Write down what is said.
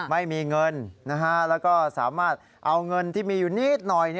ไม่มีเงินแล้วก็สามารถเอาเงินที่มีอยู่นิดหน่อย